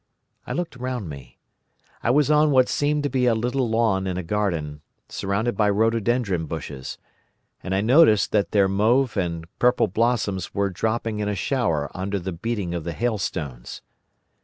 I looked round me. I was on what seemed to be a little lawn in a garden, surrounded by rhododendron bushes, and I noticed that their mauve and purple blossoms were dropping in a shower under the beating of the hailstones.